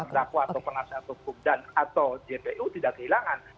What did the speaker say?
berdakwah atau pengasiatuk hukum dan atau jpu tidak kehilangan